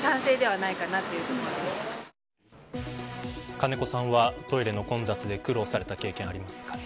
金子さんはトイレの混雑で苦労された経験はありますか。